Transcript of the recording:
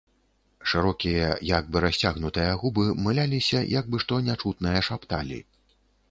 Шырокія, як бы расцягнутыя, губы мыляліся, як бы што нячутнае шапталі.